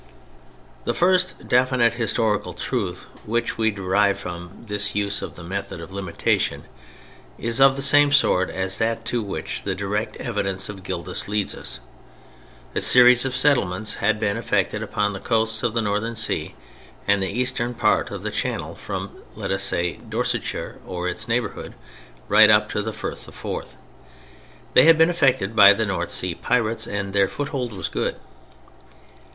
The first definite historical truth which we derive from this use of the method of limitations, is of the same sort as that to which the direct evidence of Gildas leads us. A series of settlements had been effected upon the coasts of the North Sea and the eastern part of the Channel from, let us say, Dorsetshire or its neighborhood, right up to the Firth of Forth. They had been effected by the North Sea pirates and their foothold was good.